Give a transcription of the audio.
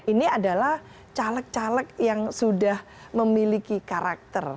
ini adalah caleg caleg yang sudah memiliki karakter